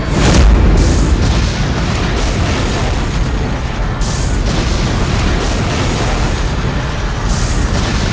raka walang sungsang bernyata terbalik